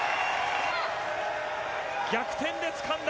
逆転でつかんだ。